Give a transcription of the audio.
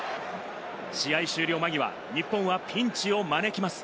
試合終了間際、日本はピンチを招きます。